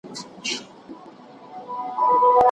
توجه یې له باوړیه شاوخوا وي